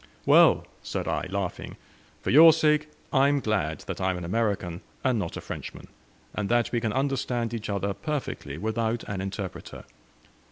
"Well," said I, laughing, "for your sake I am glad that I am an American, and not a Frenchman, and that we can understand each other perfectly without an interpreter.